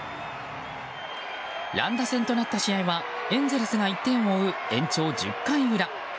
乱打戦となった試合はエンゼルスが１点を追う延長１０回裏。